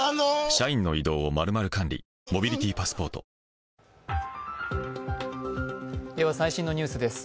タイまでが最新のニュースです。